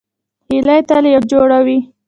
هیلۍ تل یو جوړ وي